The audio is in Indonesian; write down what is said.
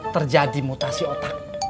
terjadi mutasi otak